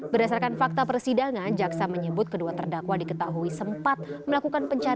berdasarkan fakta persidangan jaksa menyebut kedua terdakwa diketahui sempat melakukan pencarian